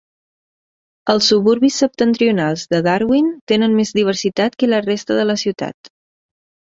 Els suburbis septentrionals de Darwin tenen més diversitat que la resta de la ciutat.